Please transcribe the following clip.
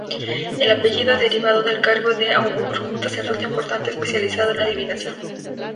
El apellido es derivado del cargo de "augur", un sacerdote importante especializado en adivinación.